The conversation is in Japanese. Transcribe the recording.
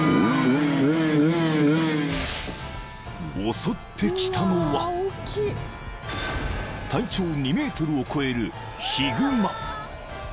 ［襲ってきたのは体長２ｍを超える］